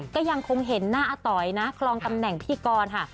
ก็ยังคงเห็นหน้าอาต๋อยนะคลองตำแหน่งพี่กรค่ะ